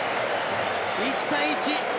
１対１。